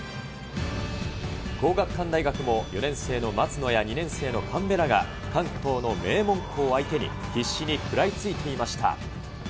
皇學館大学も４年生の松野や２年生の神部らが関東の名門校相手に、必死に食らいついていました。